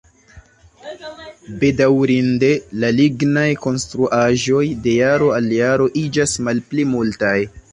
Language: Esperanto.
Bedaŭrinde, la lignaj konstruaĵoj de jaro al jaro iĝas malpli multaj.